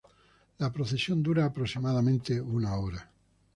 La procesión dura aproximadamente una hora.